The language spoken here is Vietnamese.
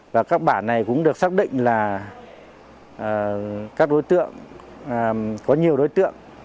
và các bản này cũng được xác định là các đối tượng